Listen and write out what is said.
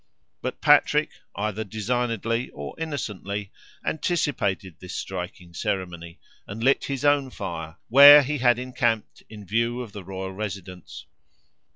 But Patrick, either designedly or innocently, anticipated this striking ceremony, and lit his own fire, where he had encamped, in view of the royal residence.